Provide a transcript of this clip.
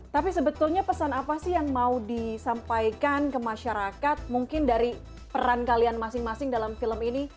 tapi sebetulnya pesan apa sih yang mau disampaikan ke masyarakat mungkin dari peran kalian masing masing dalam film ini